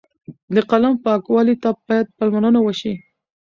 د قلم پاکوالۍ ته باید پاملرنه وشي.